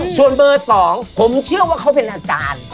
ส่วนเบอร์๒ผมเชื่อว่าเขาเป็นอาจารย์